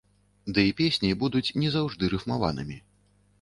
Ды і песні будуць не заўжды рыфмаванымі.